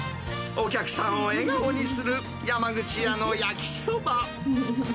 お客さんを笑顔にする、山口屋の焼きそば。